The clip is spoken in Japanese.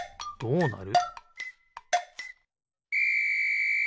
どうなる？